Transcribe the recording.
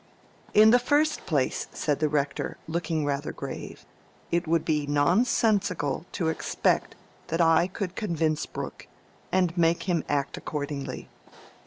"In the first place," said the Rector, looking rather grave, "it would be nonsensical to expect that I could convince Brooke, and make him act accordingly.